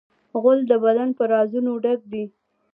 غول د بدن په رازونو ډک دی.